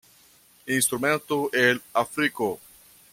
Instrumento el Afriko.